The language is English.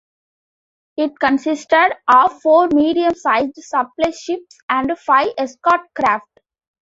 It consisted of four medium-sized supply ships and five escort craft.